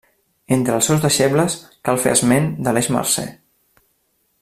Entre els seus deixebles cal fer esment d'Aleix Mercè.